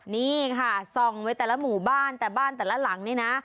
นี่ค่ะส่องไว้แต่ละหมู่บ้านแต่บ้านแต่ละหลังนี่นะ